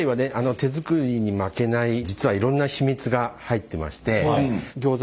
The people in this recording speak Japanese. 手作りに負けない実はいろんな秘密が入ってましてギョーザ